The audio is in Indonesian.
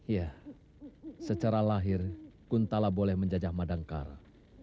ya secara lahir kuntala boleh menjajah madangkara